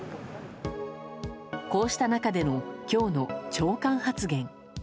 こうした中での今日の長官発言。